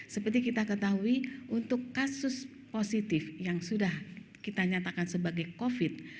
seperti kita ketahui untuk kasus positif yang sudah kita nyatakan sebagai covid